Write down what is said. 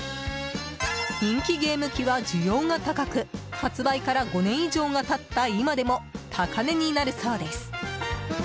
人気ゲーム機は需要が高く発売から５年以上が経った今でも高値になるそうです。